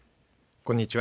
こんにちは。